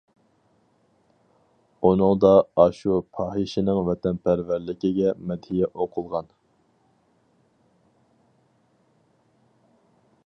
ئۇنىڭدا ئاشۇ پاھىشىنىڭ ۋەتەنپەرۋەرلىكىگە مەدھىيە ئوقۇلغان.